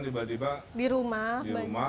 tiba tiba di rumah di rumah